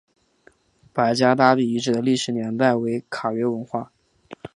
白家大地遗址的历史年代为卡约文化。